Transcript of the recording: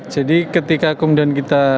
jadi ketika kemudian kita